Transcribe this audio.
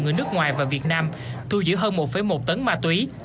người nước ngoài và việt nam thu giữ hơn một một tấn ma túy